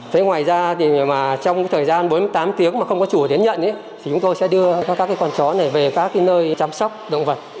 thế ngoài ra thì trong cái thời gian bốn mươi tám tiếng mà không có chủ đến nhận thì chúng tôi sẽ đưa cho các con chó này về các nơi chăm sóc động vật